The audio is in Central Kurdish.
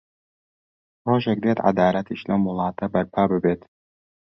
ڕۆژێک دێت عەدالەتیش لەم وڵاتە بەرپا ببێت.